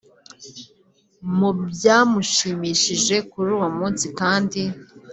Mu byamushimishije kuri uwo munsi kandi